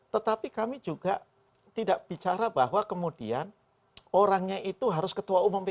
tetapi kami juga tidak bicara bahwa kemudian orangnya itu harus ketua umum p tiga